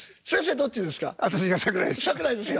どっちですか？